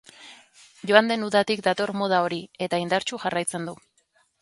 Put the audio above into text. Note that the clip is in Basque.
Joan den udatik dator moda hori eta indartsu jarraitzen du.